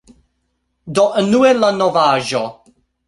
Do unue la novaĵo